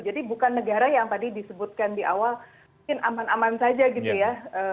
jadi bukan negara yang tadi disebutkan di awal mungkin aman aman saja gitu ya